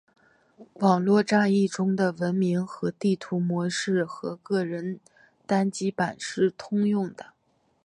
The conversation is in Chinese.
网络战役中的文明和地图模式和个人单机版是通用的。